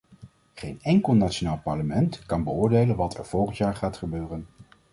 Geen enkel nationaal parlement kan beoordelen wat er volgend jaar gaat gebeuren.